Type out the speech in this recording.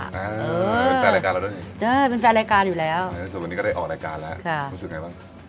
เป็นแปดรายการเราด้วยเนี่ยใช่เป็นแปดรายการอยู่แล้วสวัสดีนี้ก็ได้ออกรายการแล้วค่ะรู้สึกยังไงบ้าง